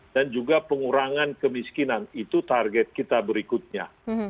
dan juga pengurangan kemiskinan itu target kita berikutnya